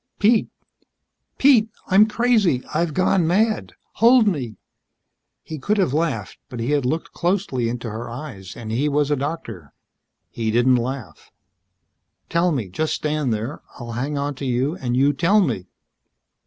"Pete Pete. I'm crazy. I've gone mad. Hold me." He could have laughed, but he had looked closely into her eyes and he was a doctor. He didn't laugh. "Tell me. Just stand here. I'll hang onto you and you tell me."